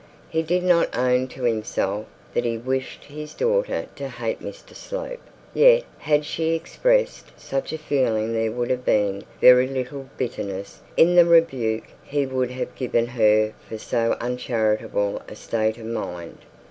He did not own to himself that he wished his daughter to hate Mr Slope; yet had she expressed such a feeling there would have been very little bitterness in the rebuke he would have given her for so uncharitable a state of mind.